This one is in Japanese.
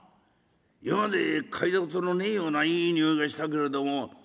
今まで嗅いだことのねえようないい匂いがしたけれども。